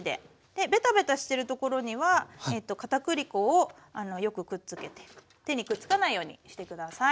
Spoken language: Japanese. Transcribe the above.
ベタベタしてるところには片栗粉をよくくっつけて手にくっつかないようにして下さい。